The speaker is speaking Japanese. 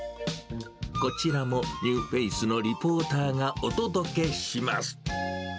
こちらもニューフェースのリポーターがお届けします。